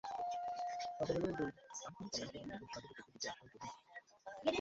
তাই তিনি পলায়ন করলেন এবং সাগরের একটি দ্বীপে আশ্রয় গ্রহণ করলেন।